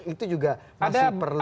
itu juga masih perlu